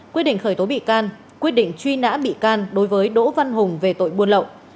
quyết định khởi tố bị can quyết định truy nã bị can đối với đỗ văn hùng về tội buôn lậu